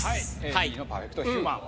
はいＢの「パーフェクトヒューマン」